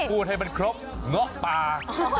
พูดให้มันครบเงาะป่า